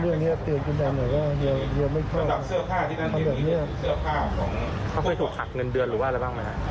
ไม่เคยครับ